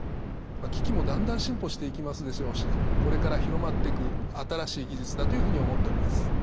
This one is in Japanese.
機器もだんだん進歩していきますでしょうしこれから広まっていく新しい技術だというふうに思っております。